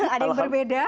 ada yang berbeda